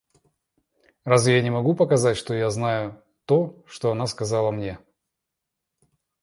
Разве я могу не показать, что я знаю то, что она сказала мне?